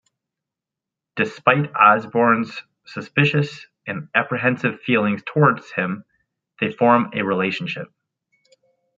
Despite Osborne's suspicious and apprehensive feelings towards him, they form a relationship.